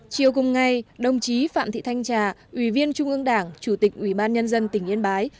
chiều cùng ngày đồng chí phạm thị thanh trà ủy viên trung ương đảng chủ tịch ủy ban nhân dân tỉnh yên bái